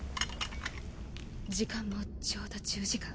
時間もちょうど１０時間。